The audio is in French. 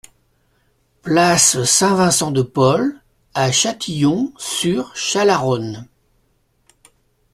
Place Saint-Vincent de Paul à Châtillon-sur-Chalaronne